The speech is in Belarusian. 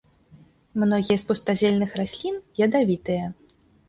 Многія з пустазельных раслін ядавітыя.